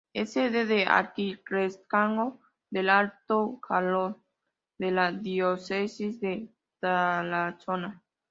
Es sede del Arciprestazgo del Alto Jalón de la diócesis de Tarazona.